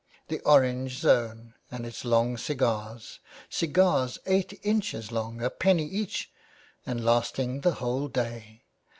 the orange zone and its long cigars, cigars eight inches long, a penny each, and lasting the whole day.